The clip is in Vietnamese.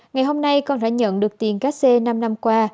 ngày hôm nay con đã nhận được tiền ga xê năm năm qua